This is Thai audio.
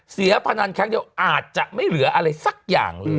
พนันครั้งเดียวอาจจะไม่เหลืออะไรสักอย่างเลย